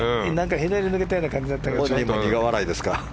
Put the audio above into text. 左に抜けたような感じだったけど。